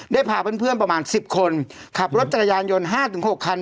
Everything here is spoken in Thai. พาเพื่อนประมาณ๑๐คนขับรถจักรยานยนต์๕๖คัน